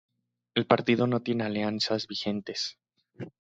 El partido no tiene alianzas vigentes.